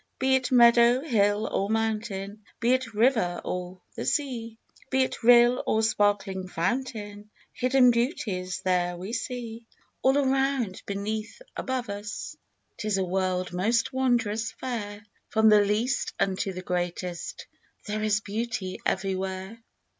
Be it meadow, hill or mountain, Be it river or the sea, Be it rill or sparkling fountain, Hidden beauties there we see. All around, beneath above us, 'Tis a world most wondrous fair From the least unto the greatest, There is beauty everywhere.